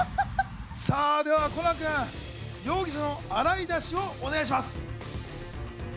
さあ、ではコナン君、容疑者の洗い出しをお願いします。